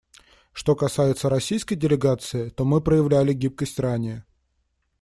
Что касается российской делегации, то мы проявляли гибкость ранее.